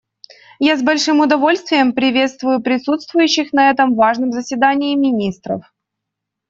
Я с большим удовольствием приветствую присутствующих на этом важном заседании министров.